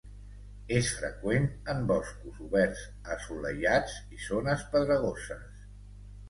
És freqüent en boscos oberts, assolellats i zones pedregoses.